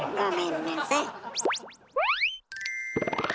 ごめんなさい。